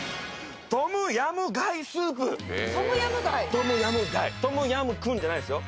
トムヤムガイ⁉トムヤムクンじゃないっすよ。